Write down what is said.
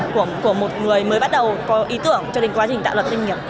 của một người mới bắt đầu có ý tưởng cho đến quá trình tạo luật doanh nghiệp